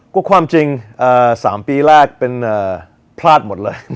ก็ความจริง๓ปีแรกเป็นพลาดหมดเลย